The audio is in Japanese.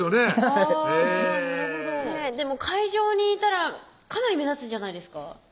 はいでも会場にいたらかなり目立つんじゃないですか？